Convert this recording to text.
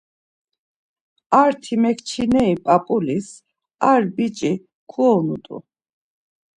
Ar timekçineri p̌ap̌ulis ar biç̌i kuonut̆u.